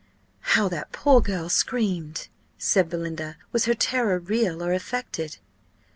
"How that poor girl screamed!" said Belinda. "Was her terror real or affected?"